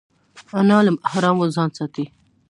انا له حرامو ځان ساتي